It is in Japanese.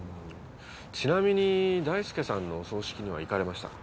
ちなみに大輔さんのお葬式には行かれましたか？